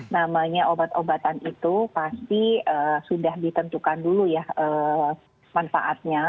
namanya obat obatan itu pasti sudah ditentukan dulu ya manfaatnya